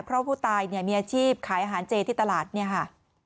เพราะผู้ตายเนี่ยมีอาชีพขายอาหารเจที่ตลาดเนี่ยค่ะ